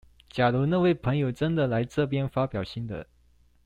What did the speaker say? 假如那位朋友真的來這邊發表心得